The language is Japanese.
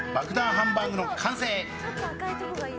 ハンバーグの完成！